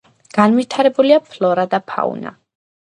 განვითარებულია ფლორა და ფაუნა.